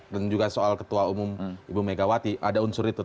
dan juga soal ketua umum ibu megawati ada unsur itu